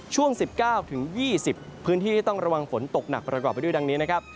ช่วง๑๙๒๐พื้นที่ที่ต้องระวังฝนตกหนักประกอบไปด้วยดังนี้นะครับ